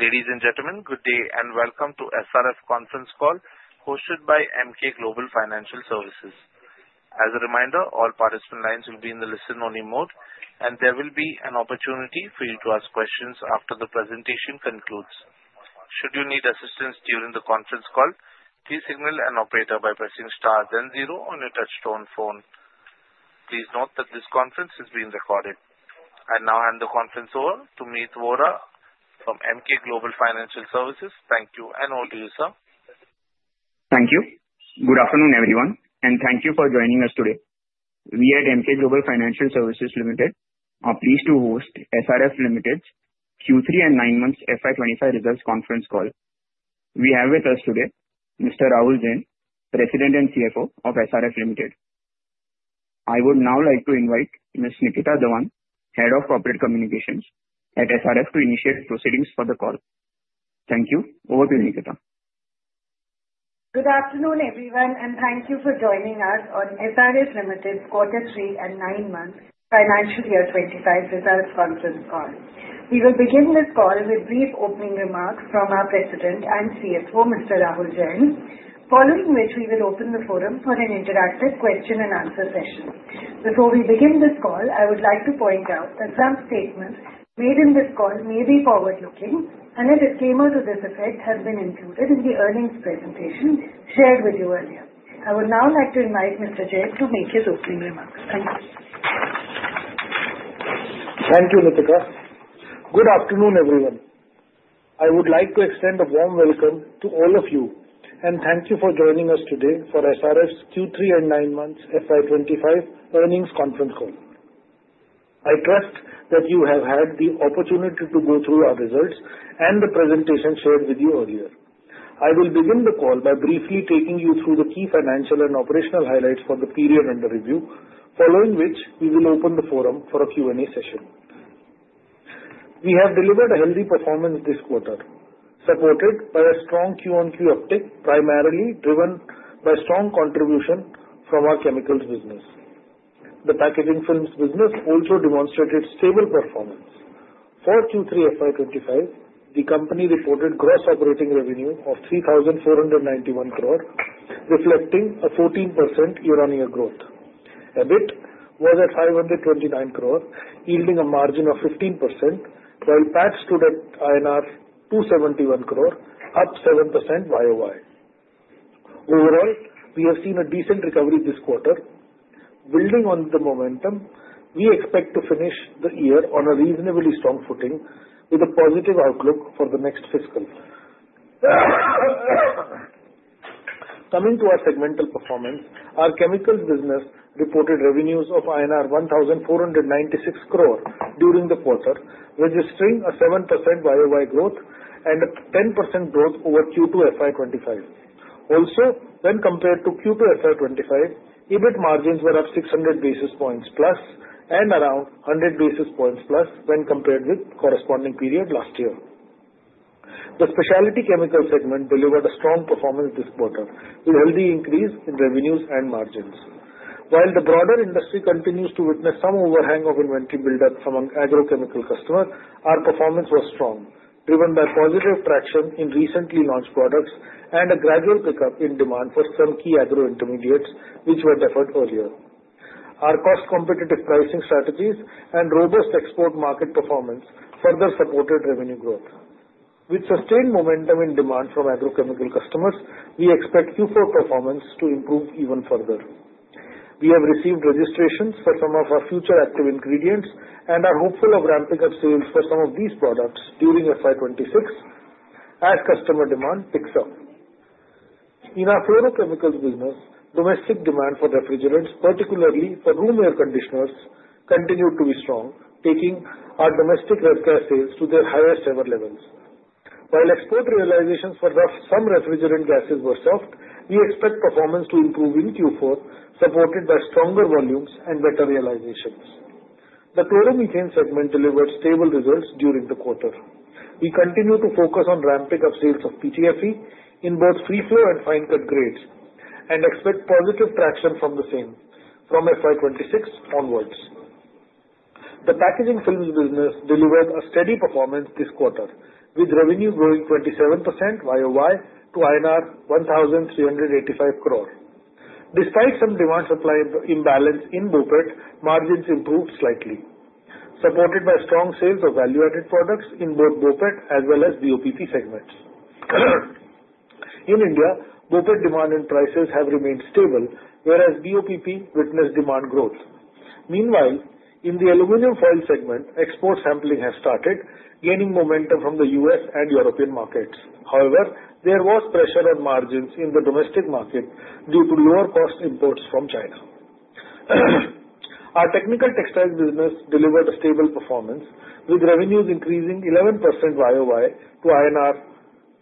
Ladies and gentlemen, good day and welcome to SRF conference call hosted by Emkay Global Financial Services. As a reminder, all participant lines will be in the listen-only mode, and there will be an opportunity for you to ask questions after the presentation concludes. Should you need assistance during the conference call, please signal an operator by pressing star then zero on your touchtone phone. Please note that this conference is being recorded. I now hand the conference over to Meet Vora from Emkay Global Financial Services. Thank you, and over to you, sir. Thank you. Good afternoon, everyone, and thank you for joining us today. We at Emkay Global Financial Services Limited are pleased to host SRF Limited's Q3 and nine-month FY 2025 results conference call. We have with us today Mr. Rahul Jain, President and CFO of SRF Limited. I would now like to invite Ms. Nitika Dhawan, Head of Corporate Communications at SRF, to initiate proceedings for the call. Thank you. Over to you, Nitika. Good afternoon, everyone, and thank you for joining us on SRF Limited's Q3 and nine-month financial year 2025 results conference call. We will begin this call with brief opening remarks from our President and CFO, Mr. Rahul Jain, following which we will open the forum for an interactive question-and-answer session. Before we begin this call, I would like to point out that some statements made in this call may be forward-looking, and a disclaimer to this effect has been included in the earnings presentation shared with you earlier. I would now like to invite Mr. Jain to make his opening remarks. Thank you. Thank you, Nikita. Good afternoon, everyone. I would like to extend a warm welcome to all of you, and thank you for joining us today for SRF's Q3 and nine-month FY 2025 earnings conference call. I trust that you have had the opportunity to go through our results and the presentation shared with you earlier. I will begin the call by briefly taking you through the key financial and operational highlights for the period under review, following which we will open the forum for a Q&A session. We have delivered a healthy performance this quarter, supported by a strong Q on Q uptake, primarily driven by strong contribution from our chemicals business. The packaging films business also demonstrated stable performance. For Q3 FY 2025, the company reported gross operating revenue of 3,491 crore, reflecting a 14% year-on-year growth. EBIT was at 529 crore, yielding a margin of 15%, while PAT stood at INR 271 crore, up 7% YoY. Overall, we have seen a decent recovery this quarter. Building on the momentum, we expect to finish the year on a reasonably strong footing with a positive outlook for the next fiscal. Coming to our segmental performance, our chemicals business reported revenues of INR 1,496 crore during the quarter, registering a 7% YoY growth and a 10% growth over Q2 FY 2025. Also, when compared to Q2 FY 2025, EBIT margins were up 600+ basis points and around 100+ basis points when compared with the corresponding period last year. The specialty chemicals segment delivered a strong performance this quarter, with a healthy increase in revenues and margins. While the broader industry continues to witness some overhang of inventory buildup among agrochemical customers, our performance was strong, driven by positive traction in recently launched products and a gradual pickup in demand for some key agro intermediates, which were deferred earlier. Our cost-competitive pricing strategies and robust export market performance further supported revenue growth. With sustained momentum in demand from agrochemical customers, we expect Q4 performance to improve even further. We have received registrations for some of our future active ingredients and are hopeful of ramping up sales for some of these products during FY 2026 as customer demand picks up. In our fluoro-chemicals business, domestic demand for refrigerants, particularly for room air conditioners, continued to be strong, taking our domestic ref gas sales to their highest-ever levels. While export realizations for some refrigerant gases were soft, we expect performance to improve in Q4, supported by stronger volumes and better realizations. The chloromethane segment delivered stable results during the quarter. We continue to focus on ramping up sales of PTFE in both free-flow and fine-cut grades, and expect positive traction from the same from FY 2026 onwards. The packaging films business delivered a steady performance this quarter, with revenue growing 27% YoY to INR 1,385 crore. Despite some demand-supply imbalance in BOPET, margins improved slightly, supported by strong sales of value-added products in both BOPET as well as BOPP segments. In India, BOPET demand and prices have remained stable, whereas BOPP witnessed demand growth. Meanwhile, in the aluminum foil segment, export sampling has started, gaining momentum from the U.S. and European markets. However, there was pressure on margins in the domestic market due to lower-cost imports from China. Our technical textiles business delivered a stable performance, with revenues increasing 11% YoY to INR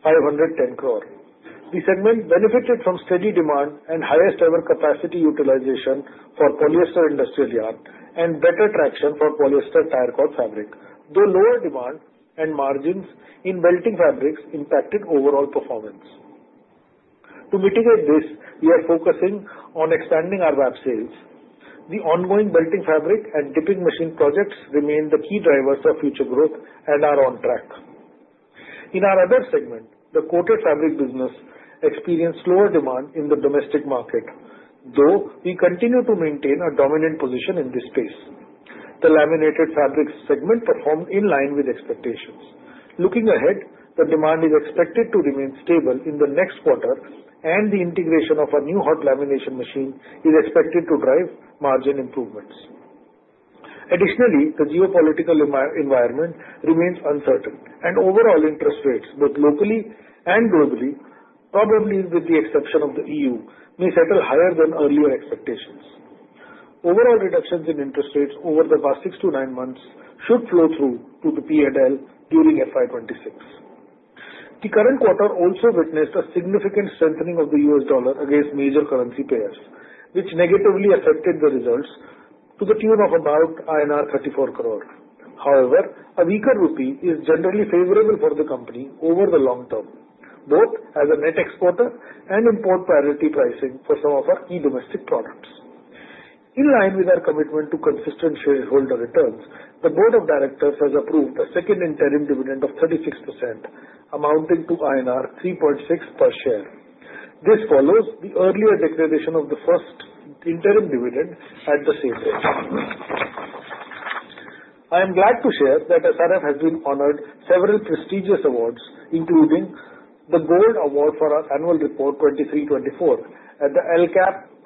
510 crore. The segment benefited from steady demand and highest-ever capacity utilization for polyester industrial yarn and better traction for polyester tire cord fabric, though lower demand and margins in belting fabrics impacted overall performance. To mitigate this, we are focusing on expanding our web sales. The ongoing belting fabric and dipping machine projects remain the key drivers of future growth and are on track. In our other segment, the coated fabric business experienced slower demand in the domestic market, though we continue to maintain a dominant position in this space. The laminated fabrics segment performed in line with expectations. Looking ahead, the demand is expected to remain stable in the next quarter, and the integration of a new hot lamination machine is expected to drive margin improvements. Additionally, the geopolitical environment remains uncertain, and overall interest rates, both locally and globally, probably with the exception of the E.U., may settle higher than earlier expectations. Overall reductions in interest rates over the past six to nine months should flow through to the P&L during FY 2026. The current quarter also witnessed a significant strengthening of the U.S. dollar against major currency pairs, which negatively affected the results to the tune of about INR 34 crore. However, a weaker rupee is generally favorable for the company over the long term, both as a net exporter and import priority pricing for some of our key domestic products. In line with our commitment to consistent shareholder returns, the Board of Directors has approved a second interim dividend of 36%, amounting to INR 3.6 per share. This follows the earlier declaration of the first interim dividend at the same rate. I am glad to share that SRF has been honored with several prestigious awards, including the Gold Award for our annual report 2023-2024 at the LACP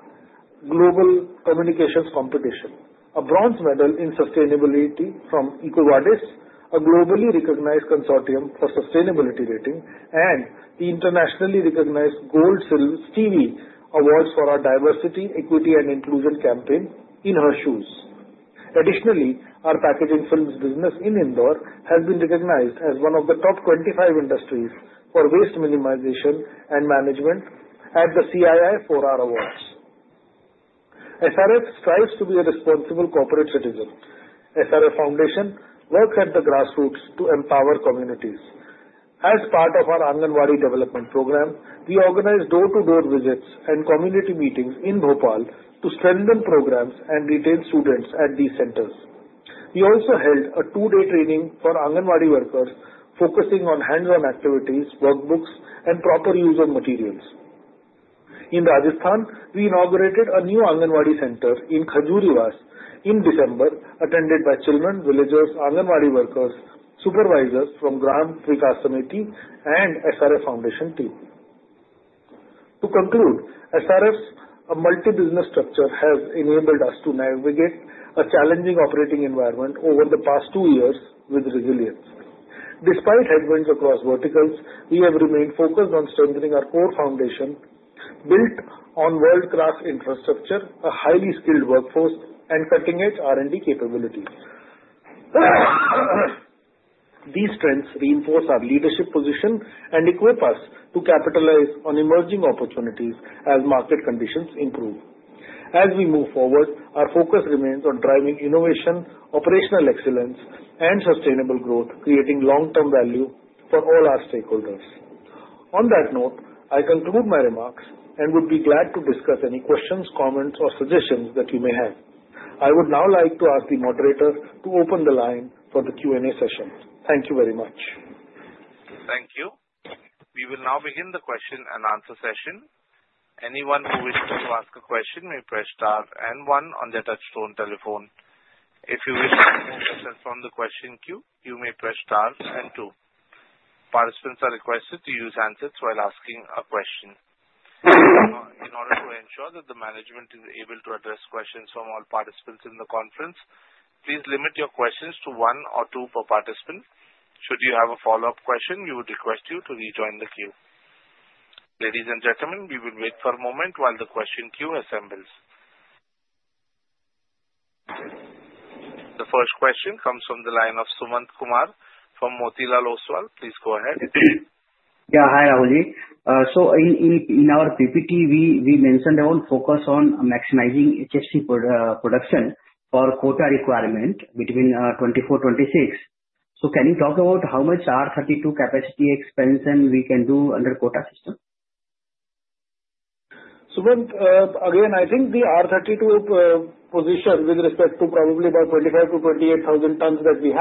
Global Communications Competition, a bronze medal in sustainability from EcoVadis, a globally recognized consortium for sustainability rating, and the internationally recognized Gold Stevie Award for our diversity, equity, and inclusion campaign In Her Shoes. Additionally, our packaging films business in Indore has been recognized as one of the top 25 industries for waste minimization and management at the CII awards. SRF strives to be a responsible corporate citizen. SRF Foundation works at the grassroots to empower communities. As part of our Anganwadi development program, we organize door-to-door visits and community meetings in Bhopal to strengthen programs and retain students at these centers. We also held a two-day training for Anganwadi workers, focusing on hands-on activities, workbooks, and proper use of materials. In Rajasthan, we inaugurated a new Anganwadi center in Khajuraho in December, attended by children, villagers, Anganwadi workers, supervisors from Gram Vikas Samiti, and SRF Foundation team. To conclude, SRF's multi-business structure has enabled us to navigate a challenging operating environment over the past two years with resilience. Despite headwinds across verticals, we have remained focused on strengthening our core foundation, built on world-class infrastructure, a highly skilled workforce, and cutting-edge R&D capabilities. These strengths reinforce our leadership position and equip us to capitalize on emerging opportunities as market conditions improve. As we move forward, our focus remains on driving innovation, operational excellence, and sustainable growth, creating long-term value for all our stakeholders. On that note, I conclude my remarks and would be glad to discuss any questions, comments, or suggestions that you may have. I would now like to ask the moderator to open the line for the Q&A session. Thank you very much. Thank you. We will now begin the question-and-answer session. Anyone who wishes to ask a question may press star and one on their touch-tone telephone. If you wish to withdraw from the question queue, you may press star and two. Participants are requested to use handsets while asking a question. In order to ensure that the management is able to address questions from all participants in the conference, please limit your questions to one or two per participant. Should you have a follow-up question, we would request you to rejoin the queue. Ladies and gentlemen, we will wait for a moment while the question queue assembles. The first question comes from the line of Sumant Kumar from Motilal Oswal. Please go ahead. Yeah, hi, Rahul Jain. So in our PPT, we mentioned our focus on maximizing HFC production for quota requirement between 2024-2026. So can you talk about how much R32 capacity expansion we can do under quota system? Sumant, again, I think the R32 position with respect to probably about 25,000-28,000 tons that we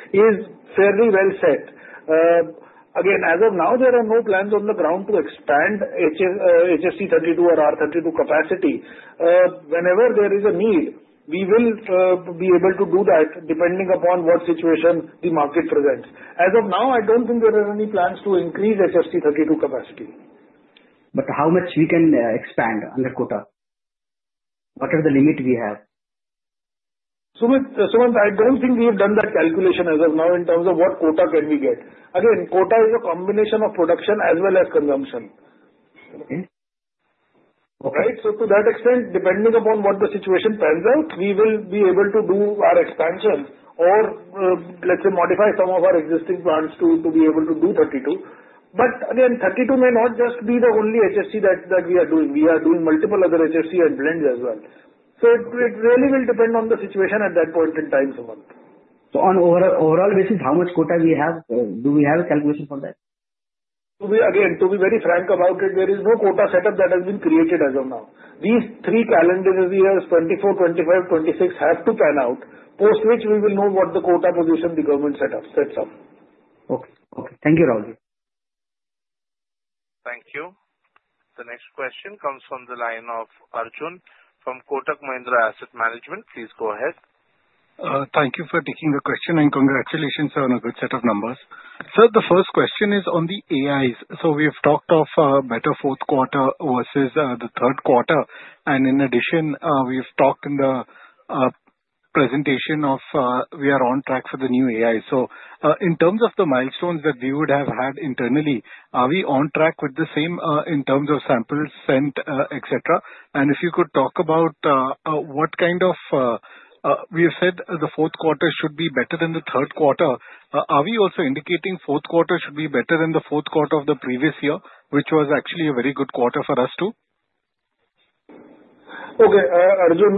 have is fairly well set. Again, as of now, there are no plans on the ground to expand HFC 32 or R32 capacity. Whenever there is a need, we will be able to do that depending upon what situation the market presents. As of now, I don't think there are any plans to increase HFC 32 capacity. But how much we can expand under quota? What are the limits we have? Sumant, I don't think we have done that calculation as of now in terms of what quota can we get. Again, quota is a combination of production as well as consumption. Right? So to that extent, depending upon what the situation pans out, we will be able to do our expansion or, let's say, modify some of our existing plants to be able to do 32. But again, 32 may not just be the only HFC that we are doing. We are doing multiple other HFC and blends as well. So it really will depend on the situation at that point in time, Sumant. So on an overall basis, how much quota do we have? Do we have a calculation for that? Again, to be very frank about it, there is no quota setup that has been created as of now. These three calendar years, 2024, 2025, 2026, have to pan out, post which we will know what the quota position the government sets up. Okay. Okay. Thank you, Rahul Jain. Thank you. The next question comes from the line of Arjun from Kotak Mahindra Asset Management. Please go ahead. Thank you for taking the question, and congratulations on a good set of numbers. Sir, the first question is on the AIs. So we have talked of a better fourth quarter versus the third quarter. And in addition, we have talked in the presentation of we are on track for the new AIs. So in terms of the milestones that we would have had internally, are we on track with the same in terms of samples sent, etc.? And if you could talk about what kind of we have said the fourth quarter should be better than the third quarter, are we also indicating fourth quarter should be better than the fourth quarter of the previous year, which was actually a very good quarter for us too? Okay, Arjun,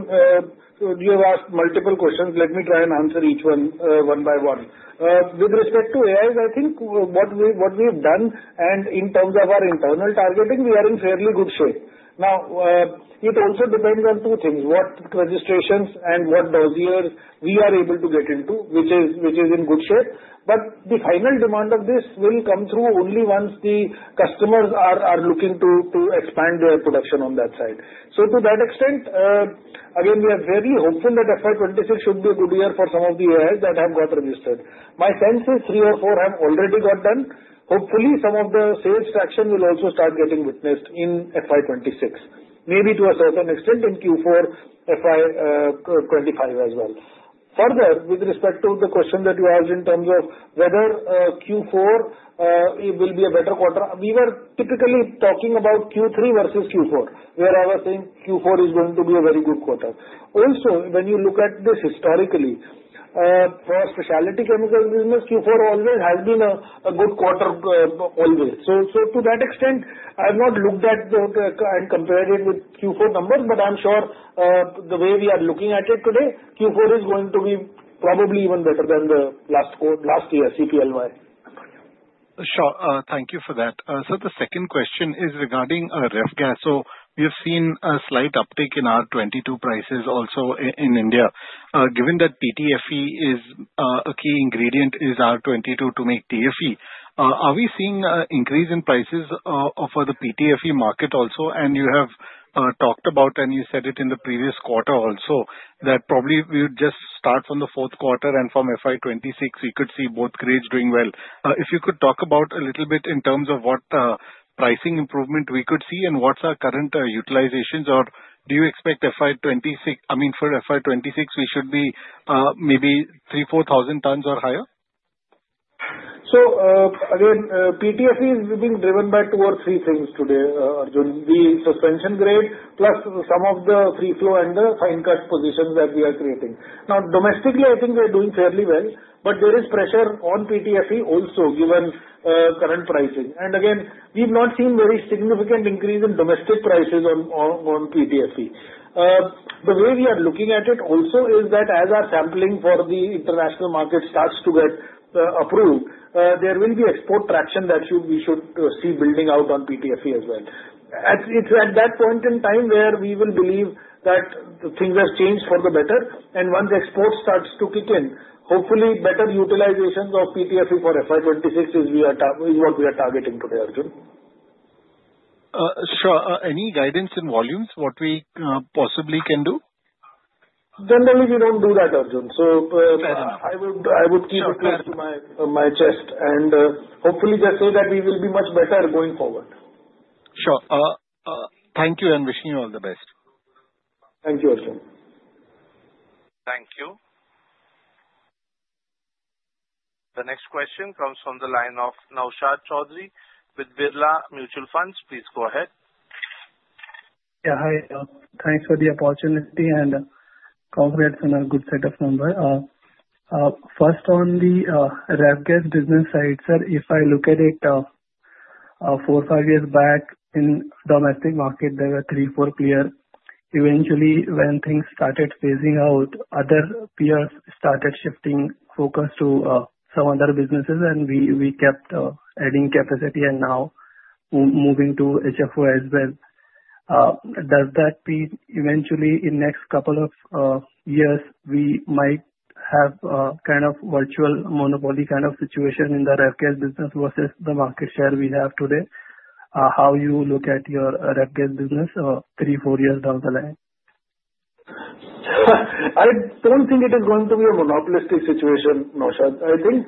you have asked multiple questions. Let me try and answer each one one by one. With respect to AIs, I think what we have done and in terms of our internal targeting, we are in fairly good shape. Now, it also depends on two things: what registrations and what dossiers we are able to get into, which is in good shape. But the final demand of this will come through only once the customers are looking to expand their production on that side. So to that extent, again, we are very hopeful that FY 2026 should be a good year for some of the AIs that have got registered. My sense is three or four have already got done. Hopefully, some of the sales traction will also start getting witnessed in FY 2026, maybe to a certain extent in Q4 FY 2025 as well. Further, with respect to the question that you asked in terms of whether Q4 will be a better quarter, we were typically talking about Q3 versus Q4, where I was saying Q4 is going to be a very good quarter. Also, when you look at this historically, for specialty chemicals business, Q4 always has been a good quarter always. So to that extent, I have not looked at and compared it with Q4 numbers, but I'm sure the way we are looking at it today, Q4 is going to be probably even better than the last year, CPLY. Sure. Thank you for that. Sir, the second question is regarding ref gas. So we have seen a slight uptick in R22 prices also in India. Given that PTFE is a key ingredient R22 to make TFE. Are we seeing an increase in prices for the PTFE market also? And you have talked about, and you said it in the previous quarter also, that probably we would just start from the fourth quarter and from FY 2026, we could see both grades doing well. If you could talk about a little bit in terms of what pricing improvement we could see and what's our current utilizations, or do you expect FY 2026, I mean, for FY 2026, we should be maybe 3,000-4,000 tons or higher? So again, PTFE is being driven by two or three things today, Arjun. The suspension grade plus some of the free-flow and the fine-cut positions that we are creating. Now, domestically, I think we are doing fairly well, but there is pressure on PTFE also given current pricing, and again, we've not seen very significant increase in domestic prices on PTFE. The way we are looking at it also is that as our sampling for the international market starts to get approved, there will be export traction that we should see building out on PTFE as well. It's at that point in time where we will believe that things have changed for the better, and once exports start to kick in, hopefully, better utilization of PTFE for FY 2026 is what we are targeting today, Arjun. Sure. Any guidance in volumes, what we possibly can do? Generally, we don't do that, Arjun. So I would keep it close to my chest and hopefully just say that we will be much better going forward. Sure. Thank you, and wishing you all the best. Thank you, Arjun. Thank you. The next question comes from the line of Naushad Chaudhary with Birla Mutual Funds. Please go ahead. Yeah, hi. Thanks for the opportunity and congrats on a good set of numbers. First, on the ref gas business side, sir, if I look at it four or five years back in the domestic market, there were three, four players. Eventually, when things started phasing out, other peers started shifting focus to some other businesses, and we kept adding capacity and now moving to HFO as well. Does that mean eventually, in the next couple of years, we might have a kind of virtual monopoly kind of situation in the ref gas business versus the market share we have today? How do you look at your ref gas business three, four years down the line? I don't think it is going to be a monopolistic situation, Naushad. I think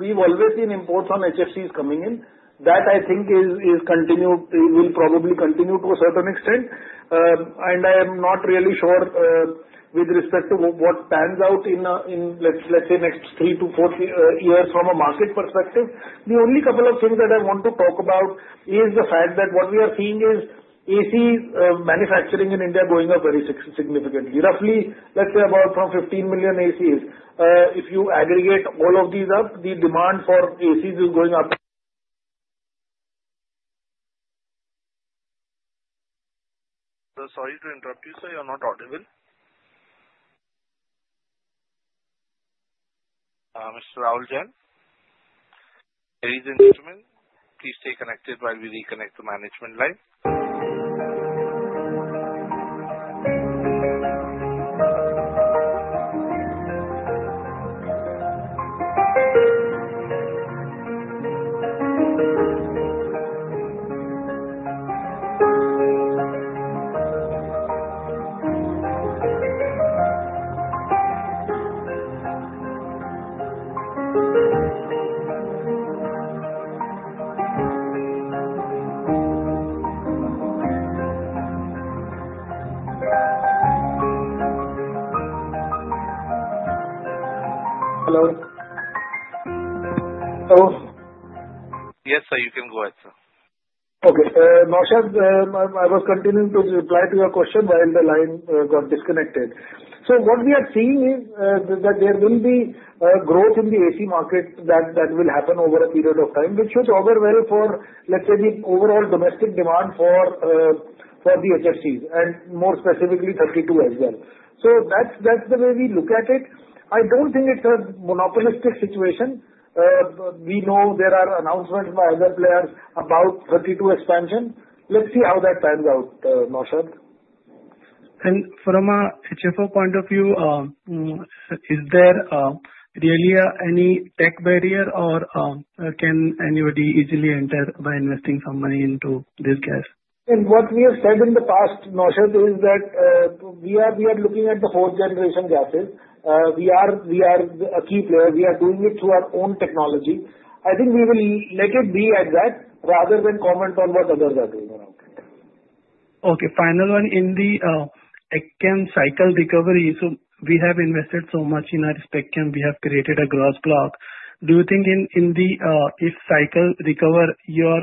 we've always seen imports on HFCs coming in. That, I think, will probably continue to a certain extent. And I am not really sure with respect to what pans out in, let's say, the next three-to-four years from a market perspective. The only couple of things that I want to talk about is the fact that what we are seeing is AC manufacturing in India going up very significantly. Roughly, let's say, about 15 million ACs. If you aggregate all of these up, the demand for ACs is going up. Sorry to interrupt you, sir. You're not audible. Mr. Rahul Jain, ladies and gentlemen, please stay connected while we reconnect the management line. Hello. Yes, sir. You can go ahead, sir. Okay. Naushad, I was continuing to reply to your question while the line got disconnected. So what we are seeing is that there will be growth in the AC market that will happen over a period of time, which should overwhelm for, let's say, the overall domestic demand for the HFCs and more specifically 32 as well. So that's the way we look at it. I don't think it's a monopolistic situation. We know there are announcements by other players about 32 expansion. Let's see how that pans out, Naushad. From an HFO point of view, is there really any tech barrier, or can anybody easily enter by investing some money into this gas? What we have said in the past, Naushad, is that we are looking at the fourth generation gases. We are a key player. We are doing it through our own technology. I think we will let it be at that rather than comment on what others are doing around it. Okay. Final one in the Spec Chem cycle recovery. So we have invested so much in our Spec Chem. We have created a gross block. Do you think if cycle recover, your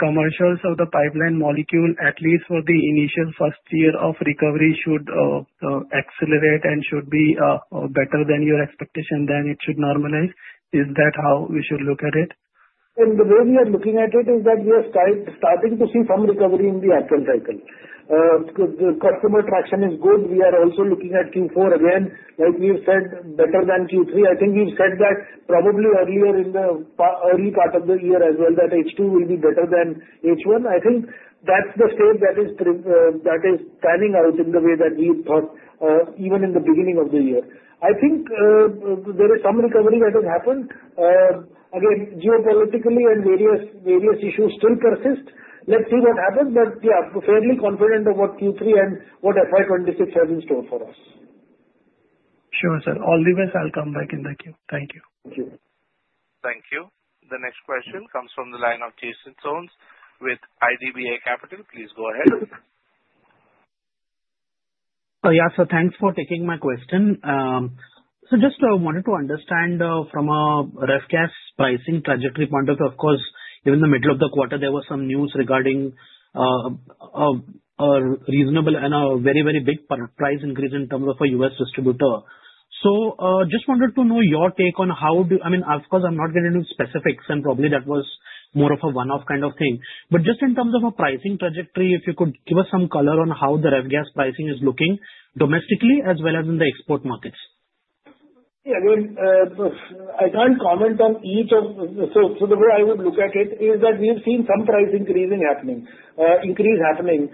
commercials of the pipeline molecule, at least for the initial first year of recovery, should accelerate and should be better than your expectation, then it should normalize? Is that how we should look at it? And the way we are looking at it is that we are starting to see some recovery in the actual cycle. The customer traction is good. We are also looking at Q4 again, like we have said, better than Q3. I think we've said that probably earlier in the early part of the year as well, that H2 will be better than H1. I think that's the state that is panning out in the way that we thought even in the beginning of the year. I think there is some recovery that has happened. Again, geopolitically and various issues still persist. Let's see what happens. But yeah, fairly confident of what Q3 and what FY 2026 has in store for us. Sure, sir. All the best. I'll come back in the queue. Thank you. Thank you. Thank you. The next question comes from the line of Jason Soans with IDBI Capital. Please go ahead. So yeah, sir, thanks for taking my question. So just wanted to understand from a ref gas pricing trajectory point of view, of course, even in the middle of the quarter, there was some news regarding a reasonable and a very, very big price increase in terms of a U.S. distributor. So just wanted to know your take on how do I mean, of course, I'm not going to do specifics, and probably that was more of a one-off kind of thing. But just in terms of a pricing trajectory, if you could give us some color on how the ref gas pricing is looking domestically as well as in the export markets. Yeah. I can't comment on each, but the way I would look at it is that we have seen some price increasing happening, increase happening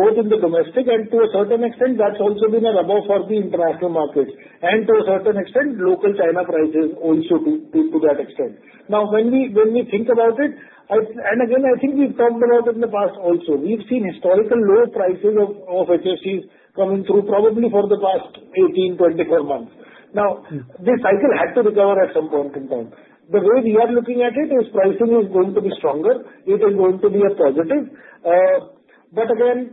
both in the domestic and to a certain extent, that's also been a rebound for the international markets and to a certain extent, local China prices also to that extent. Now, when we think about it, and again, I think we've talked about it in the past also, we've seen historically low prices of HFCs coming through probably for the past 18-24 months. Now, this cycle had to recover at some point in time. The way we are looking at it is pricing is going to be stronger. It is going to be a positive. But again,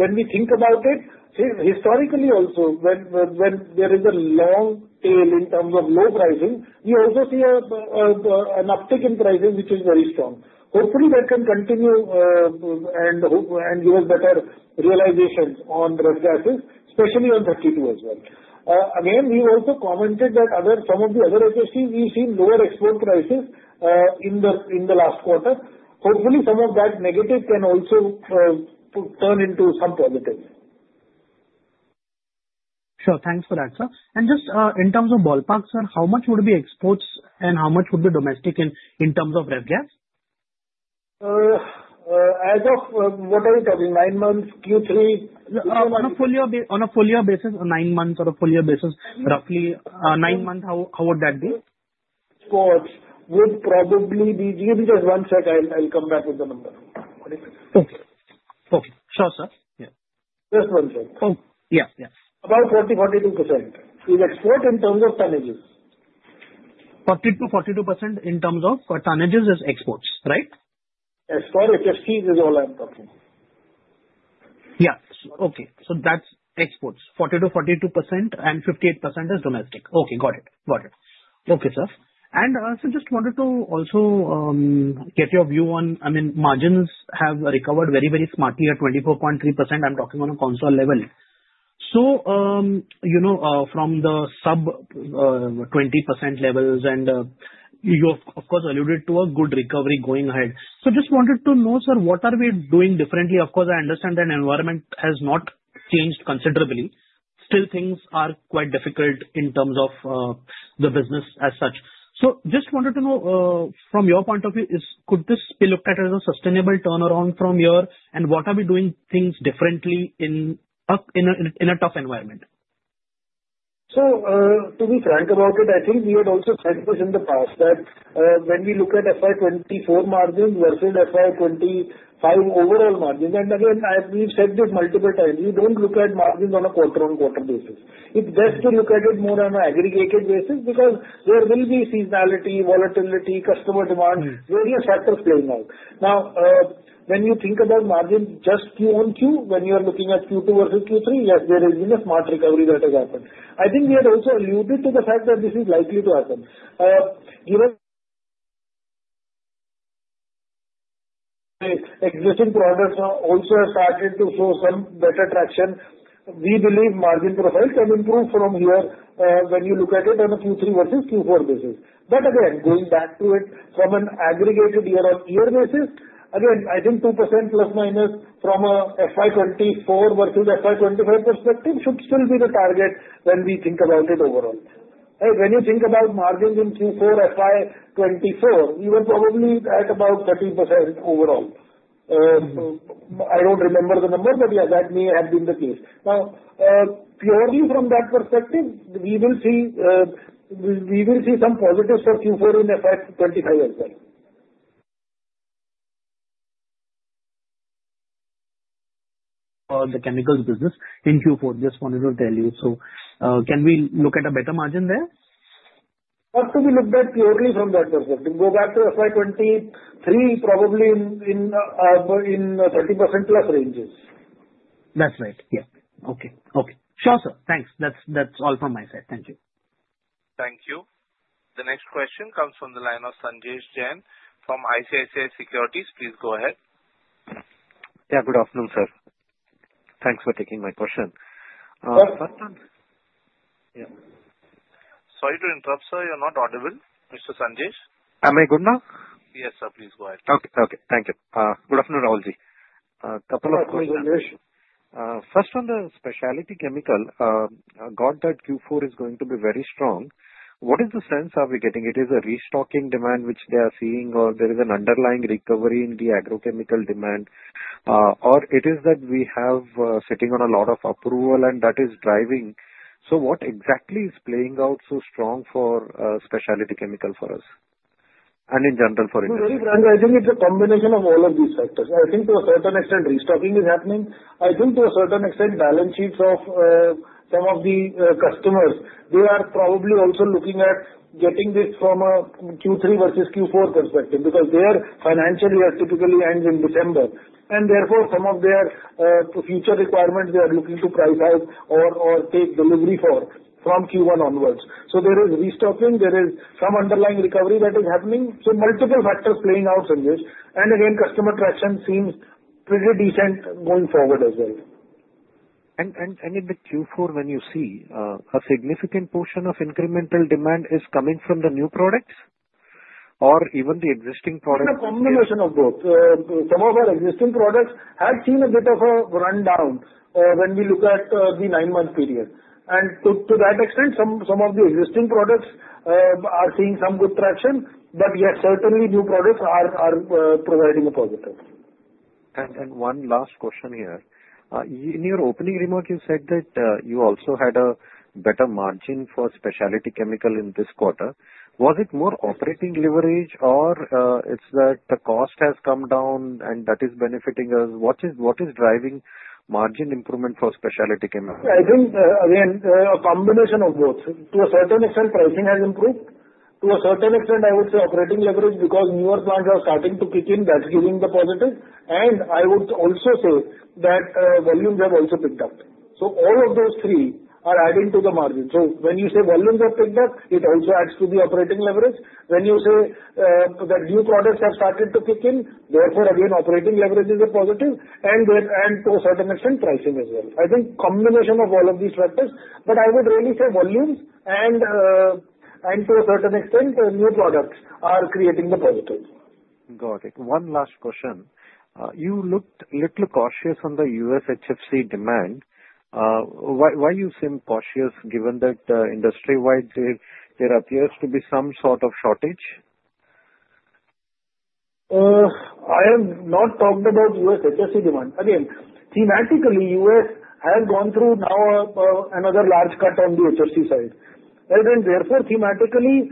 when we think about it historically also, when there is a long tail in terms of low pricing, we also see an uptick in pricing, which is very strong. Hopefully, that can continue and give us better realizations on ref gases, especially on 32 as well. Again, we've also commented that some of the other HFCs, we've seen lower export prices in the last quarter. Hopefully, some of that negative can also turn into some positive. Sure. Thanks for that, sir. And just in terms of ballpark, sir, how much would be exports and how much would be domestic in terms of ref gas? As of what are we talking, nine months, Q3? On a full year basis, nine months on a full year basis, roughly nine months, how would that be? Exports would probably be. Give me just one sec. I'll come back with the number. Okay. Okay. Sure, sir. Just one sec. Oh, yeah. Yeah. About 40%-42% is export in terms of tonnages. 40%-42% in terms of tonnages is exports, right? As far as HFCs is all I'm talking. Yeah. Okay. So that's exports, 40%-42%, and 58% is domestic. Okay. Got it. Got it. Okay, sir. And I also just wanted to also get your view on, I mean, margins have recovered very, very smartly at 24.3%. I'm talking on a consolidated level. So from the sub-20% levels, and you have, of course, alluded to a good recovery going ahead. So just wanted to know, sir, what are we doing differently? Of course, I understand that environment has not changed considerably. Still, things are quite difficult in terms of the business as such. So just wanted to know from your point of view, could this be looked at as a sustainable turnaround from your, and what are we doing things differently in a tough environment? So to be frank about it, I think we had also said this in the past that when we look at FY 2024 margins versus FY 2025 overall margins, and again, we've said this multiple times, we don't look at margins on a quarter-on-quarter basis. It's best to look at it more on an aggregated basis because there will be seasonality, volatility, customer demand, various factors playing out. Now, when you think about margin just Q1, Q2, when you are looking at Q2 versus Q3, yes, there has been a smart recovery that has happened. I think we had also alluded to the fact that this is likely to happen. Given existing products also have started to show some better traction, we believe margin profile can improve from here when you look at it on a Q3 versus Q4 basis. But again, going back to it from an aggregated year-on-year basis, again, I think 2% plus minus from a FY 2024 versus FY 2025 perspective should still be the target when we think about it overall. When you think about margins in Q4, FY 2024, we were probably at about 13% overall. I don't remember the number, but yeah, that may have been the case. Now, purely from that perspective, we will see some positives for Q4 in FY 2025 as well. The chemicals business in Q4, just wanted to tell you. So can we look at a better margin there? We have to look at purely from that perspective. Go back to FY 2023, probably in 30%+ ranges. That's right. Yeah. Okay. Okay. Sure, sir. Thanks. That's all from my side. Thank you. Thank you. The next question comes from the line of Sanjesh Jain from ICICI Securities. Please go ahead. Yeah. Good afternoon, sir. Thanks for taking my question. Sorry to interrupt, sir. You're not audible, Mr. Sanjesh. Am I good now? Yes, sir. Please go ahead. Okay. Okay. Thank you. Good afternoon, Rahul Jain. A couple of questions. Yeah. My delusion. First, on the specialty chemical, I got that Q4 is going to be very strong. What is the sense are we getting? It is a restocking demand, which they are seeing, or there is an underlying recovery in the agrochemical demand, or it is that we have sitting on a lot of approval, and that is driving. So what exactly is playing out so strong for specialty chemical for us and in general for industry? I think it's a combination of all of these factors. I think to a certain extent, restocking is happening. I think to a certain extent, balance sheets of some of the customers, they are probably also looking at getting this from a Q3 versus Q4 perspective because their financial year typically ends in December. And therefore, some of their future requirements, they are looking to price out or take delivery for from Q1 onwards. So there is restocking. There is some underlying recovery that is happening. So multiple factors playing out, Sanjesh. And again, customer traction seems pretty decent going forward as well. In the Q4, when you see a significant portion of incremental demand is coming from the new products or even the existing products? It's a combination of both. Some of our existing products have seen a bit of a rundown when we look at the nine-month period. And to that extent, some of the existing products are seeing some good traction, but yes, certainly new products are providing a positive. One last question here. In your opening remark, you said that you also had a better margin for specialty chemical in this quarter. Was it more operating leverage, or is that the cost has come down, and that is benefiting us? What is driving margin improvement for specialty chemicals? I think, again, a combination of both. To a certain extent, pricing has improved. To a certain extent, I would say operating leverage because newer plants are starting to kick in. That's giving the positive. And I would also say that volumes have also picked up. So all of those three are adding to the margin. So when you say volumes have picked up, it also adds to the operating leverage. When you say that new products have started to kick in, therefore, again, operating leverage is a positive, and to a certain extent, pricing as well. I think combination of all of these factors, but I would really say volumes and to a certain extent, new products are creating the positive. Got it. One last question. You looked a little cautious on the U.S. HFC demand. Why do you seem cautious given that industry-wide there appears to be some sort of shortage? I have not talked about U.S. HFC demand. Again, thematically, U.S. has gone through now another large cut on the HFC side. And therefore, thematically,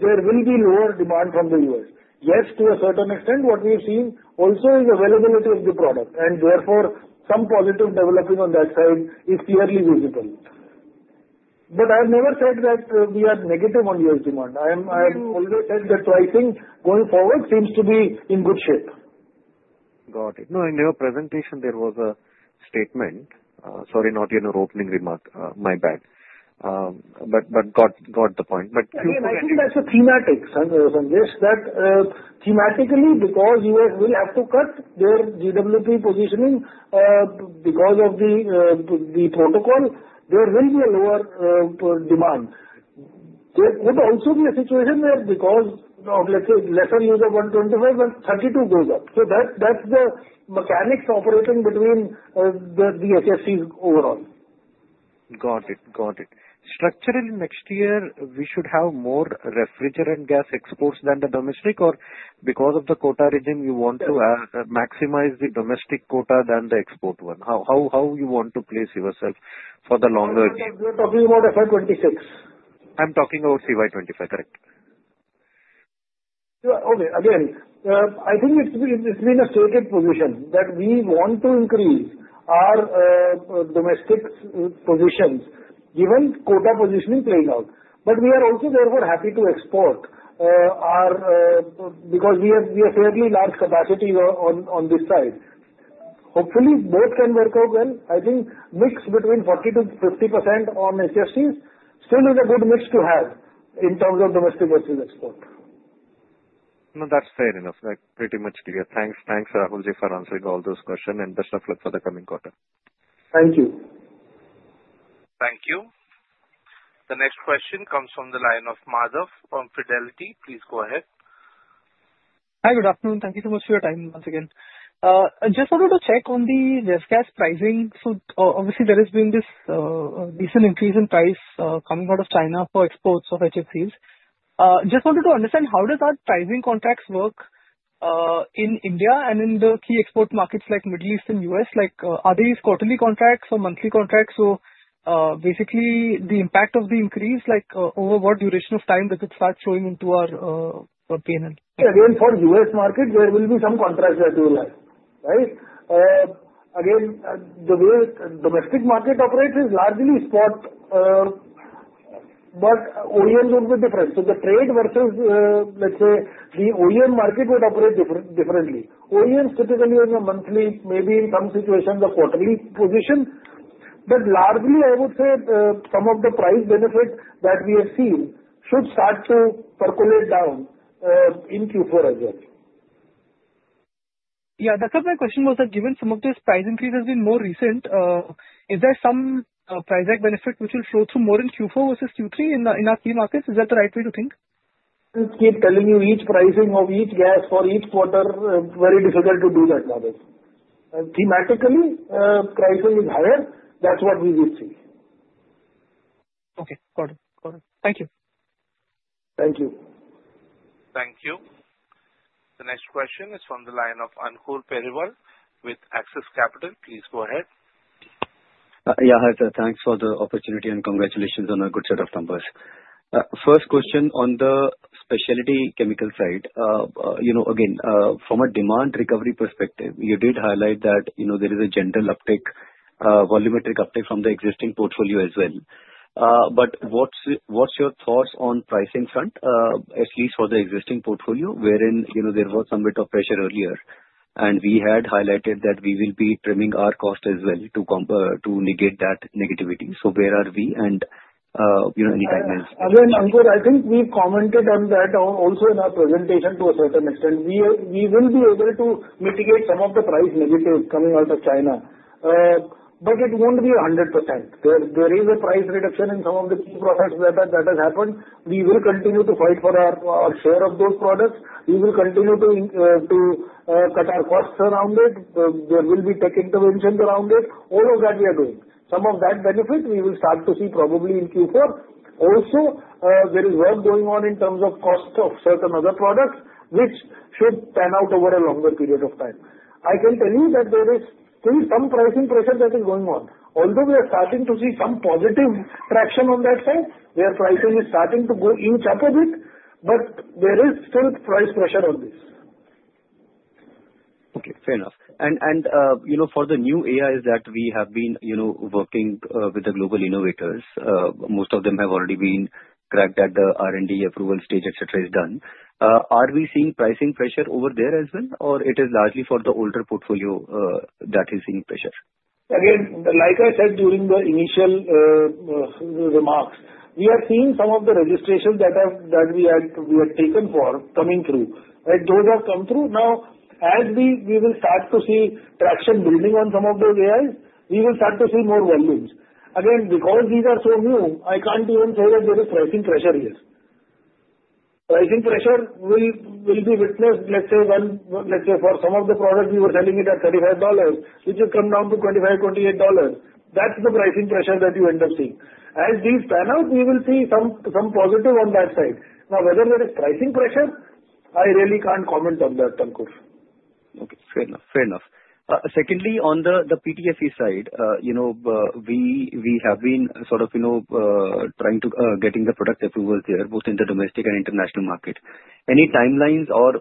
there will be lower demand from the U.S. Yes, to a certain extent, what we have seen also is availability of the product, and therefore, some positive development on that side is clearly visible. But I have never said that we are negative on U.S. demand. I have always said that pricing going forward seems to be in good shape. Got it. No, in your presentation, there was a statement. Sorry, not in your opening remark. My bad. But got the point. But Q4. I think that's a thematic, Sanjesh, that thematically, because U.S. will have to cut their GWP positioning because of the protocol, there will be a lower demand. There could also be a situation where because of, let's say, lesser use of 125, then 32 goes up. So that's the mechanics operating between the HFCs overall. Got it. Got it. Structurally, next year, we should have more refrigerant gas exports than the domestic, or because of the quota regime, you want to maximize the domestic quota than the export one? How you want to place yourself for the longer? I'm talking about FY 2026. I'm talking about CY 2025. Correct. Okay. Again, I think it's been a stated position that we want to increase our domestic positions given quota positioning playing out. But we are also therefore happy to export because we have fairly large capacity on this side. Hopefully, both can work out well. I think mix between 40% to 50% on HFCs still is a good mix to have in terms of domestic versus export. No, that's fair enough. That's pretty much clear. Thanks. Thanks, Rahul Jain, for answering all those questions and best of luck for the coming quarter. Thank you. Thank you. The next question comes from the line of Madhav Marda from Fidelity. Please go ahead. Hi, good afternoon. Thank you so much for your time once again. I just wanted to check on the ref gas pricing. So obviously, there has been this recent increase in price coming out of China for exports of HFCs. Just wanted to understand how does that pricing contracts work in India and in the key export markets like Middle East and U.S.? Are these quarterly contracts or monthly contracts? So basically, the impact of the increase, over what duration of time does it start showing into our P&L? Again, for U.S. market, there will be some contracts that will act, right? Again, the way domestic market operates is largely spot, but OEMs would be different. So the trade versus, let's say, the OEM market would operate differently. OEMs typically have a monthly, maybe in some situations, a quarterly position. But largely, I would say some of the price benefits that we have seen should start to percolate down in Q4 as well. Yeah. That's what my question was. Given some of this price increase has been more recent, is there some price tag benefit which will show through more in Q4 versus Q3 in our key markets? Is that the right way to think? Keep telling you each pricing of each gas for each quarter. Very difficult to do that nowadays. Thematically, pricing is higher. That's what we will see. Okay. Got it. Got it. Thank you. Thank you. Thank you. The next question is from the line of Ankur Periwal with Axis Capital. Please go ahead. Yeah. Hi, sir. Thanks for the opportunity and congratulations on a good set of numbers. First question on the specialty chemical side. Again, from a demand recovery perspective, you did highlight that there is a general uptake, volumetric uptake from the existing portfolio as well. But what's your thoughts on pricing front, at least for the existing portfolio, wherein there was some bit of pressure earlier, and we had highlighted that we will be trimming our cost as well to negate that negativity? So where are we, and any guidance? Again, Ankur, I think we've commented on that also in our presentation to a certain extent. We will be able to mitigate some of the price negatives coming out of China. But it won't be 100%. There is a price reduction in some of the key products that have happened. We will continue to fight for our share of those products. We will continue to cut our costs around it. There will be tech interventions around it. All of that we are doing. Some of that benefit we will start to see probably in Q4. Also, there is work going on in terms of cost of certain other products, which should pan out over a longer period of time. I can tell you that there is still some pricing pressure that is going on. Although we are starting to see some positive traction on that side, where pricing is starting to inch up a bit, but there is still price pressure on this. Okay. Fair enough. And for the new AIs that we have been working with the global innovators, most of them have already been cracked at the R&D approval stage, etc., is done. Are we seeing pricing pressure over there as well, or it is largely for the older portfolio that is seeing pressure? Again, like I said during the initial remarks, we are seeing some of the registrations that we had taken for coming through. Those have come through. Now, as we will start to see traction building on some of those AIs, we will start to see more volumes. Again, because these are so new, I can't even say that there is pricing pressure here. Pricing pressure will be witnessed, let's say, for some of the products we were selling at $35, which has come down to $25, $28. That's the pricing pressure that you end up seeing. As these pan out, we will see some positive on that side. Now, whether there is pricing pressure, I really can't comment on that, Ankur. Okay. Fair enough. Fair enough. Secondly, on the PTFE side, we have been sort of trying to get the product approvals there, both in the domestic and international market. Any timelines or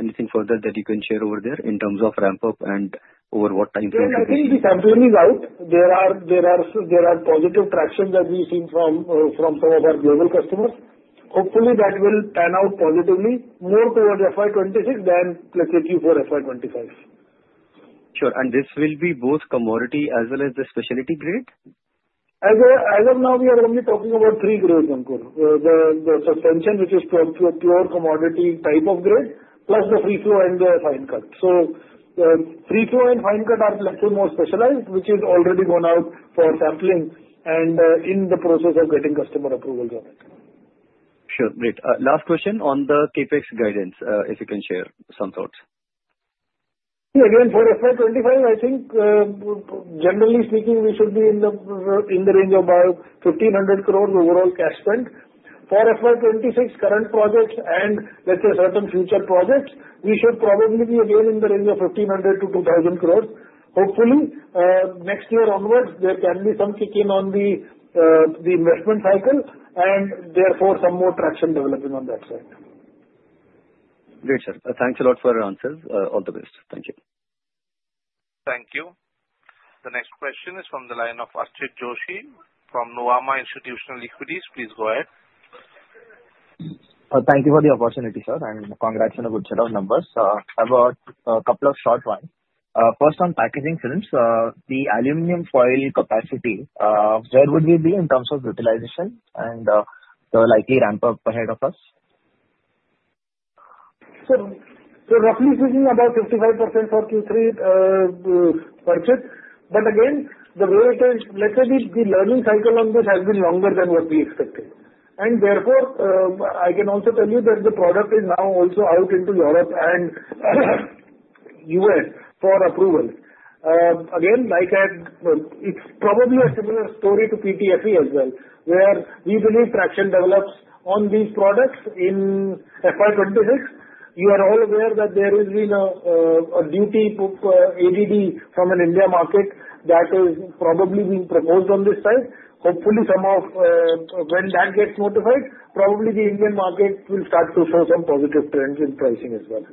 anything further that you can share over there in terms of ramp-up and over what timeframe? I think this sampling is out. There are positive tractions that we've seen from some of our global customers. Hopefully, that will pan out positively more towards FY 2026 than, let's say, Q4 FY 2025. Sure. And this will be both commodity as well as the specialty grade? As of now, we are only talking about three grades, Ankur. The suspension, which is pure commodity type of grade, plus the free-flow and the fine-cut. So free-flow and fine-cut are, let's say, more specialized, which is already gone out for sampling and in the process of getting customer approvals on it. Sure. Great. Last question on the CapEx guidance, if you can share some thoughts. Again, for FY 2025, I think, generally speaking, we should be in the range of about 1,500 crore overall cash spent. For FY 2026, current projects and, let's say, certain future projects, we should probably be again in the range of 1,500 crore-2,000 crore. Hopefully, next year onwards, there can be some kick-in on the investment cycle, and therefore, some more traction developing on that side. Great, sir. Thanks a lot for your answers. All the best. Thank you. Thank you. The next question is from the line of Archit Joshi from Nuvama Institutional Equities. Please go ahead. Thank you for the opportunity, sir. And congrats on a good set of numbers. I've got a couple of short ones. First, on packaging films, the aluminum foil capacity, where would we be in terms of utilization and the likely ramp-up ahead of us? So, roughly speaking, about 55% for Q3 purchase. But again, the way it is, let's say the learning cycle on this has been longer than what we expected. And therefore, I can also tell you that the product is now also out into Europe and U.S. for approval. Again, like I had, it's probably a similar story to PTFE as well, where we believe traction develops on these products in FY 2026. You are all aware that there has been a duty ADD from an India market that is probably being proposed on this side. Hopefully, when that gets notified, probably the Indian market will start to show some positive trends in pricing as well.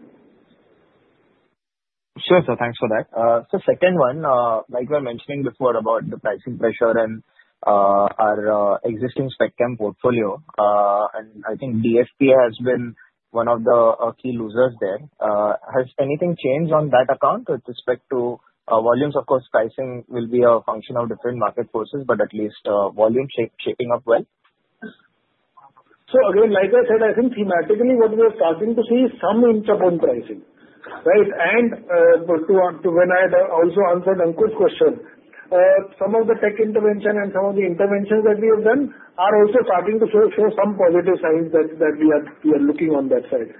Sure, sir. Thanks for that. So, second one, like we were mentioning before, about the pricing pressure and our existing specialty chem portfolio, and I think DFB has been one of the key losers there. Has anything changed on that account with respect to volumes? Of course, pricing will be a function of different market forces, but at least volume shaping up well. So again, like I said, I think thematically, what we are starting to see is some inbound pricing, right? And when I had also answered Ankur's question, some of the tech intervention and some of the interventions that we have done are also starting to show some positive signs that we are looking on that side.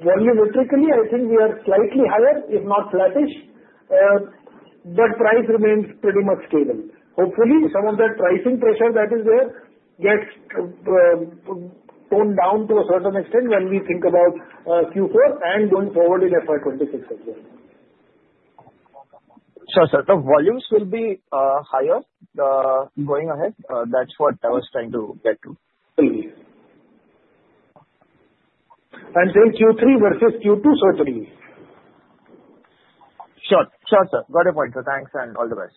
Volumetrically, I think we are slightly higher, if not flattish, but price remains pretty much stable. Hopefully, some of that pricing pressure that is there gets toned down to a certain extent when we think about Q4 and going forward in FY 2026 as well. Sure, sir. The volumes will be higher going ahead. That's what I was trying to get to. Three. And then Q3 versus Q2, sir? Sure. Sure, sir. Got a point. So thanks and all the best.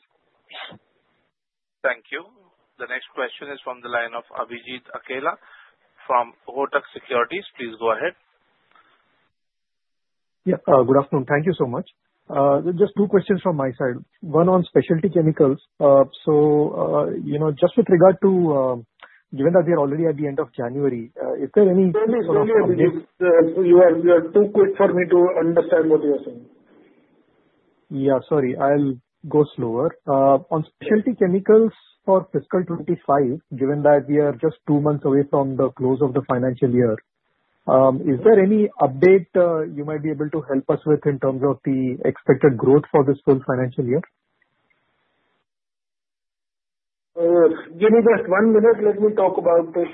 Thank you. The next question is from the line of Abhijit Akella from Kotak Securities. Please go ahead. Yeah. Good afternoon. Thank you so much. Just two questions from my side. One on specialty chemicals. So just with regard to given that we are already at the end of January, is there any sort of? No, no. You are too quick for me to understand what you are saying. Yeah. Sorry. I'll go slower. On specialty chemicals for fiscal 2025, given that we are just two months away from the close of the financial year, is there any update you might be able to help us with in terms of the expected growth for this full financial year? Give me just one minute. Let me talk about it.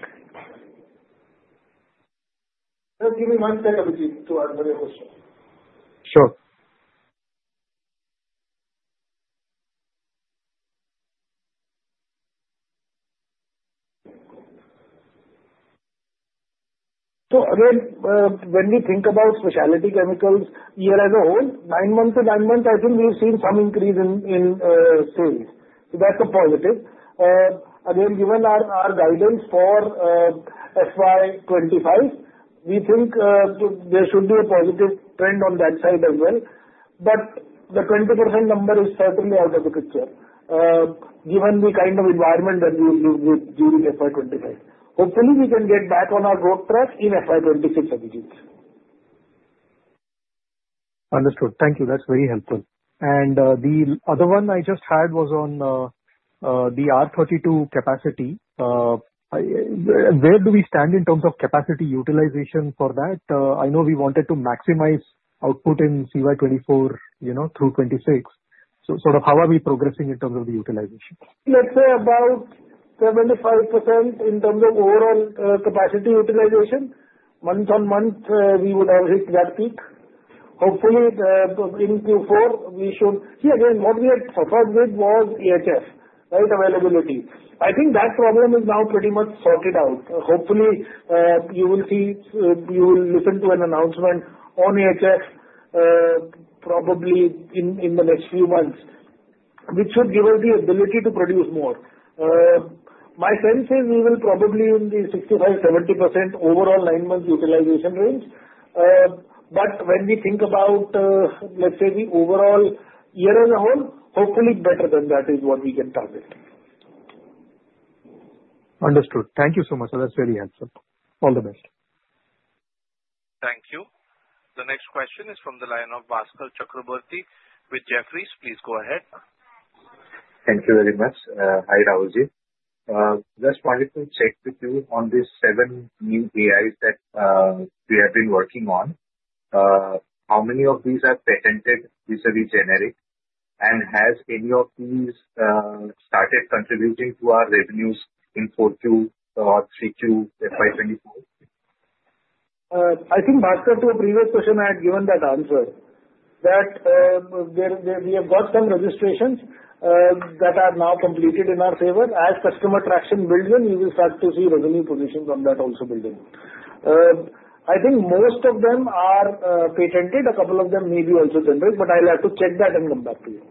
Give me one second, Abhijit, to answer your question. Sure. So again, when we think about specialty chemicals year as a whole, nine month to nine months, I think we've seen some increase in sales. So that's a positive. Again, given our guidance for FY 2025, we think there should be a positive trend on that side as well. But the 20% number is certainly out of the picture given the kind of environment that we will be in during FY 2025. Hopefully, we can get back on our growth track in FY 2026, Abhijit. Understood. Thank you. That's very helpful. And the other one I just had was on the R32 capacity. Where do we stand in terms of capacity utilization for that? I know we wanted to maximize output in CY 2024 through 2026. So sort of how are we progressing in terms of the utilization? Let's say about 75% in terms of overall capacity utilization. Month-on-month, we would have hit that peak. Hopefully, in Q4, we should see, again, what we had suffered with was AHF, right, availability. I think that problem is now pretty much sorted out. Hopefully, you will see you will listen to an announcement on AHF probably in the next few months, which should give us the ability to produce more. My sense is we will probably be in the 65%-70% overall nine months utilization range. But when we think about, let's say, the overall year as a whole, hopefully, better than that is what we can target. Understood. Thank you so much, sir. That's very helpful. All the best. Thank you. The next question is from the line of Bhaskar Chakraborty with Jefferies. Please go ahead. Thank you very much. Hi, Rahul Jain. Just wanted to check with you on these seven new AIs that we have been working on. How many of these are patented, vis-à-vis generic? And has any of these started contributing to our revenues in 4Q or 3Q FY 2024? I think, Bhaskar, to a previous question, I had given that answer, that we have got some registrations that are now completed in our favor. As customer traction builds in, we will start to see revenue positions on that also building. I think most of them are patented. A couple of them may be also generic, but I'll have to check that and come back to you.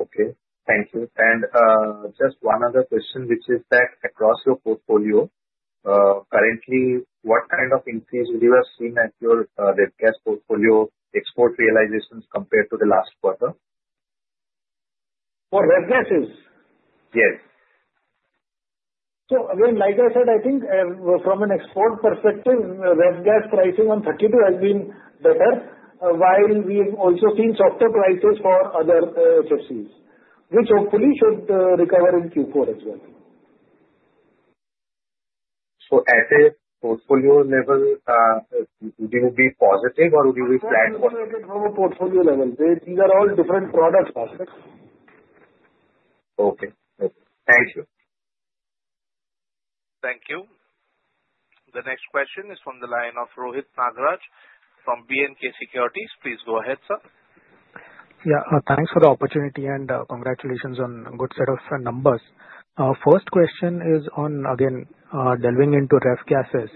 Okay. Thank you. And just one other question, which is that across your portfolio, currently, what kind of increase do you have seen at your refrigerant gas portfolio export realizations compared to the last quarter? For ref gases? Yes. So, again, like I said, I think from an export perspective, R32 gas pricing on 32 has been better, while we have also seen softer prices for other HFCs, which hopefully should recover in Q4 as well. So at a portfolio level, would you be positive, or would you be flat? Not positive from a portfolio level. These are all different products, Bhaskar. Okay. Thank you. Thank you. The next question is from the line of Rohit Nagraj from B&K Securities. Please go ahead, sir. Yeah. Thanks for the opportunity and congratulations on a good set of numbers. First question is on, again, delving into refrigerant gases.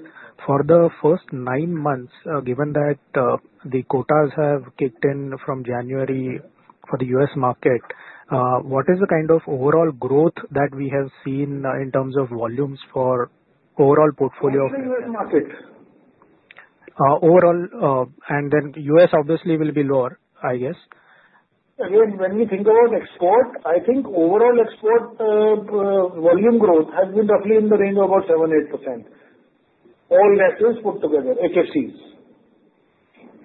For the first nine months, given that the quotas have kicked in from January for the U.S. market, what is the kind of overall growth that we have seen in terms of volumes for overall portfolio of? In the U.S. market? Overall. And then U.S. obviously will be lower, I guess. Again, when we think about export, I think overall export volume growth has been roughly in the range of about 7%-8%, all assets put together, HFCs.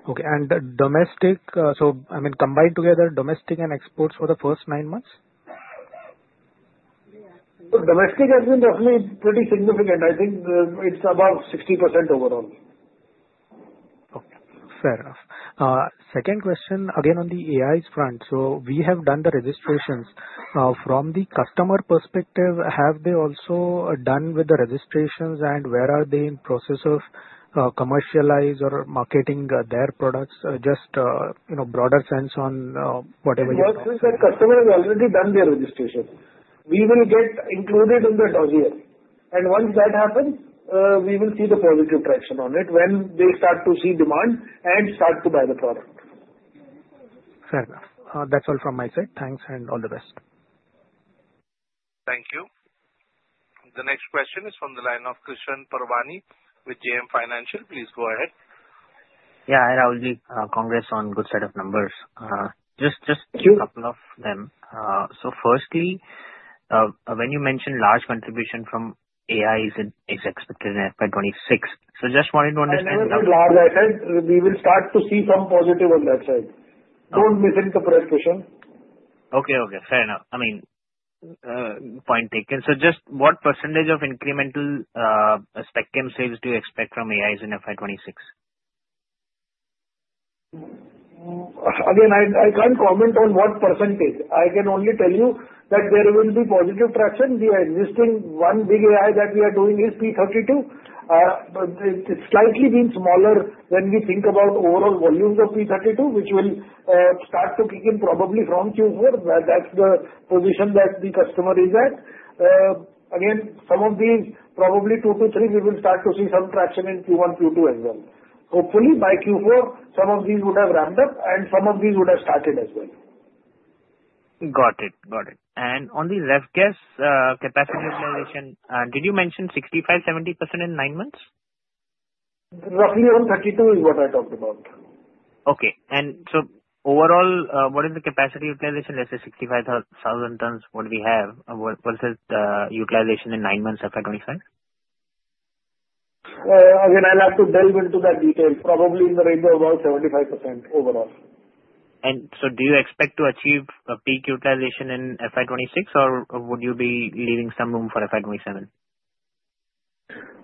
Okay. And domestic, so I mean, combined together, domestic and exports for the first nine months? Domestic has been definitely pretty significant. I think it's about 60% overall. Okay. Fair enough. Second question, again, on the AIs front. So we have done the registrations. From the customer perspective, have they also done with the registrations, and where are they in the process of commercializing or marketing their products? Just broader sense on whatever you have. Mostly, the customer has already done their registration. We will get included in the dossier, and once that happens, we will see the positive traction on it when they start to see demand and start to buy the product. Fair enough. That's all from my side. Thanks and all the best. Thank you. The next question is from the line of Krishan Parwani with JM Financial. Please go ahead. Yeah. Hi, Rahul Jain. Congrats on a good set of numbers. Just a couple of them. So firstly, when you mentioned large contribution from AIs expected in FY 2026, so just wanted to understand. It's not that large, I said. We will start to see some positive on that side. Don't misinterpret, Krishan. Okay. Okay. Fair enough. I mean, point taken. So just what percentage of incremental spec chem sales do you expect from AIs in FY 2026? Again, I can't comment on what percentage. I can only tell you that there will be positive traction. The existing one big AI that we are doing is P32. It's slightly been smaller when we think about overall volumes of P32, which will start to kick in probably from Q4. That's the position that the customer is at. Again, some of these, probably two to three, we will start to see some traction in Q1, Q2 as well. Hopefully, by Q4, some of these would have ramped up, and some of these would have started as well. Got it. Got it. And on the Ref gas capacity utilization, did you mention 65%-70% in nine months? Roughly around 32 is what I talked about. Okay, and so overall, what is the capacity utilization, let's say, 65,000 tons what we have versus the utilization in nine months FY 2025? Again, I'll have to delve into that detail. Probably in the range of about 75% overall. Do you expect to achieve a peak utilization in FY 2026, or would you be leaving some room for FY 2027?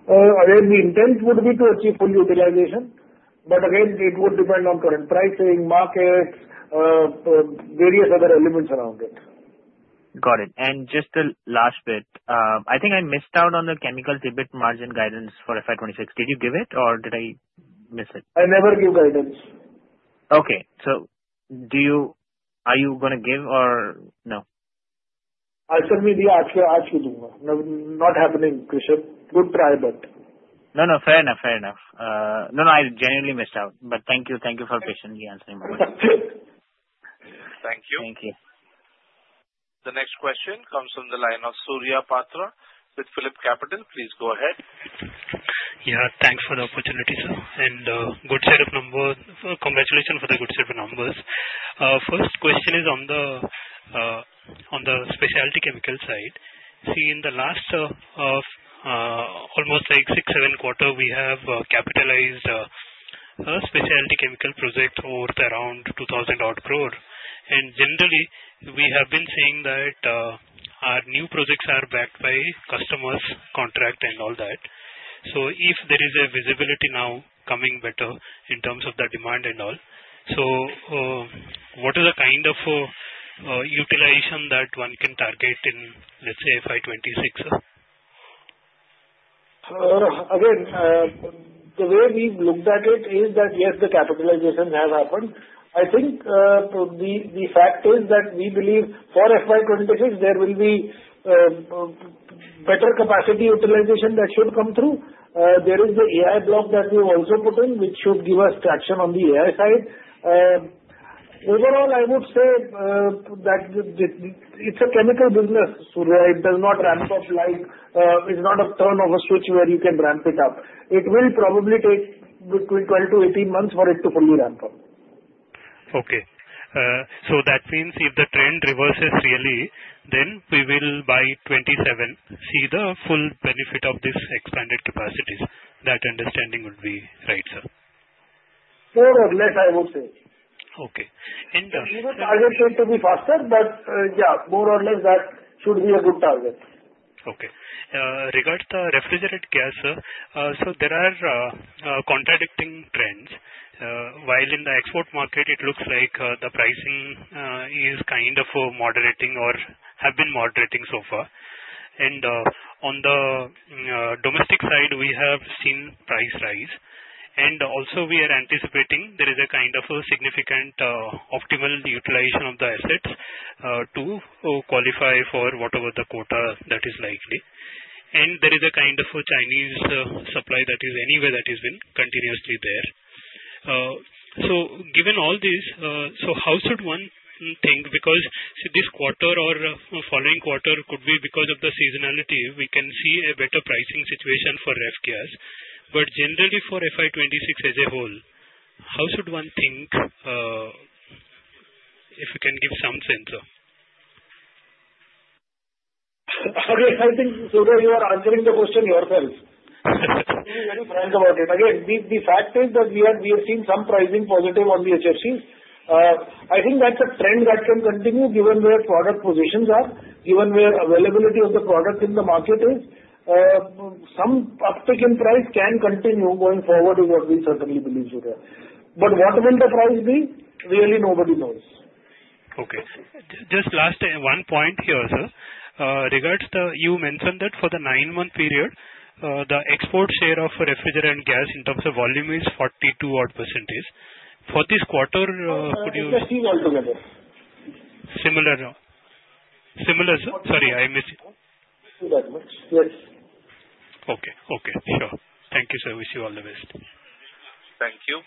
Again, the intent would be to achieve full utilization. But again, it would depend on current pricing, markets, various other elements around it. Got it. And just the last bit. I think I missed out on the chemicals EBIT margin guidance for FY 2026. Did you give it, or did I miss it? I never give guidance. Okay. So are you going to give, or no? Actually, I'll ask you to. Not happening, Krishan. Good try, but. No, no. Fair enough. Fair enough. No, no. I genuinely missed out. But thank you. Thank you for patiently answering my question. Thank you. Thank you. The next question comes from the line of Surya Patra with PhillipCapital. Please go ahead. Yeah. Thanks for the opportunity, sir. And good set of numbers. Congratulations for the good set of numbers. First question is on the specialty chemical side. See, in the last almost six, seven quarters, we have capitalized a specialty chemical project worth around 2,000-odd crore. And generally, we have been seeing that our new projects are backed by customers, contract, and all that. So if there is a visibility now coming better in terms of the demand and all, so what is the kind of utilization that one can target in, let's say, FY 2026? Again, the way we've looked at it is that, yes, the capitalizations have happened. I think the fact is that we believe for FY 2026, there will be better capacity utilization that should come through. There is the AI block that we have also put in, which should give us traction on the AI side. Overall, I would say that it's a chemical business, Surya. It does not ramp up like it's not a turn of a switch where you can ramp it up. It will probably take between 12-18 months for it to fully ramp up. Okay. So that means if the trend reverses really, then we will by 2027 see the full benefit of these expanded capacities. That understanding would be right, sir. More or less, I would say. Okay. And. We would target it to be faster, but yeah, more or less, that should be a good target. Okay. Regarding the refrigerant gas, sir, so there are contradicting trends. While in the export market, it looks like the pricing is kind of moderating or have been moderating so far. And on the domestic side, we have seen price rise. And also, we are anticipating there is a kind of significant optimal utilization of the assets to qualify for whatever the quota that is likely. And there is a kind of Chinese supply that is anywhere that has been continuously there. So given all this, so how should one think? Because this quarter or following quarter could be because of the seasonality. We can see a better pricing situation for ref gas. But generally, for FY 2026 as a whole, how should one think if we can give some sense, sir? Again, I think, Surya, you are answering the question yourself. Be very frank about it. Again, the fact is that we have seen some pricing positive on the HFCs. I think that's a trend that can continue given where product positions are, given where availability of the product in the market is. Some uptick in price can continue going forward is what we certainly believe, Surya. But what will the price be, really, nobody knows. Okay. Just last one point here, sir. You mentioned that for the nine-month period, the export share of refrigerant gas in terms of volume is 42-odd%. For this quarter, could you? We have seen all together. Similar, sir? Sorry, I missed it. Not that much. Yes. Okay. Sure. Thank you, sir. Wish you all the best. Thank you.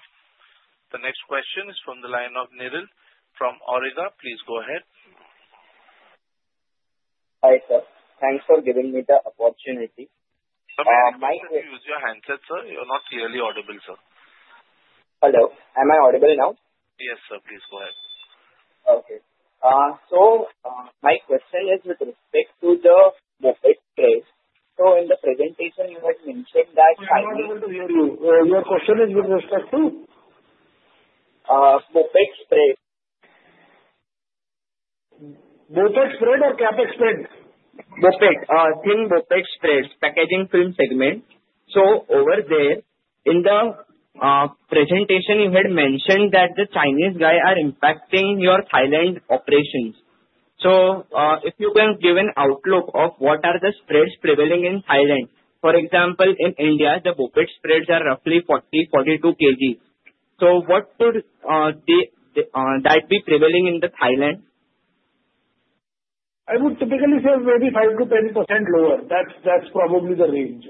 The next question is from the line of Niril from Awriga. Please go ahead. Hi, sir. Thanks for giving me the opportunity. Sir, may I ask you to use your handset, sir? You're not clearly audible, sir. Hello. Am I audible now? Yes, sir. Please go ahead. Okay. So my question is with respect to the BOPP price. So in the presentation, you have mentioned that. I'm not able to hear you. Your question is with respect to? BOPP price. OpEx spend or CapEx spend? BOPP. Think BOPP prices, packaging film segment. So over there, in the presentation, you had mentioned that the Chinese guys are impacting your Thailand operations. So if you can give an outlook of what are the prices prevailing in Thailand, for example, in India, the BOPP prices are roughly 40 kg-42 kg. So what would that be prevailing in Thailand? I would typically say maybe 5%-10% lower. That's probably the range.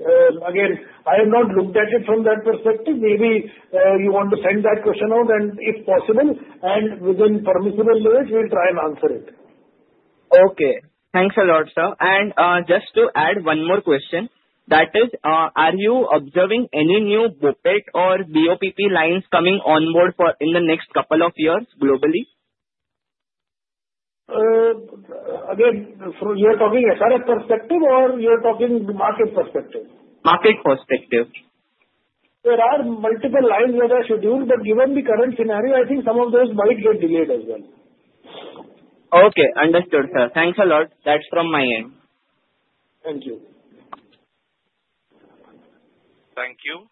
Again, I have not looked at it from that perspective. Maybe you want to send that question out, and if possible, and within permissible limits, we'll try and answer it. Okay. Thanks a lot, sir. And just to add one more question, that is, are you observing any new BOPET or BOPP lines coming on board in the next couple of years globally? Again, you are talking SRF perspective, or you are talking market perspective? Market perspective. There are multiple lines that are scheduled, but given the current scenario, I think some of those might get delayed as well. Okay. Understood, sir. Thanks a lot. That's from my end. Thank you. Thank you.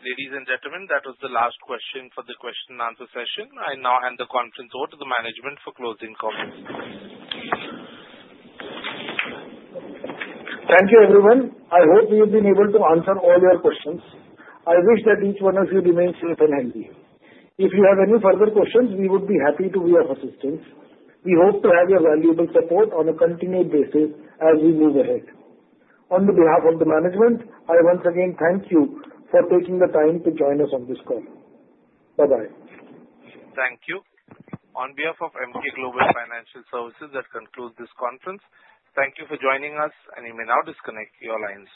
Ladies and gentlemen, that was the last question for the question-and-answer session. I now hand the conference over to the management for closing comments. Thank you, everyone. I hope we have been able to answer all your questions. I wish that each one of you remains safe and healthy. If you have any further questions, we would be happy to be of assistance. We hope to have your valuable support on a continued basis as we move ahead. On behalf of the management, I once again thank you for taking the time to join us on this call. Bye-bye. Thank you. On behalf of Emkay Global Financial Services, that concludes this conference. Thank you for joining us, and you may now disconnect your lines.